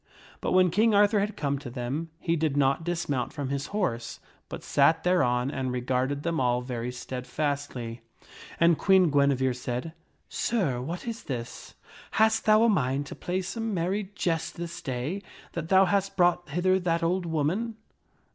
But when King Arthur had come to them, he did not dismount from his horse, but sat thereon and regarded them all very steadfastly ; and Queen Guinevere. said, " Sir, what is this? Hast thou a mind to play some merry jest this day that thou hast brought hither that old woman?"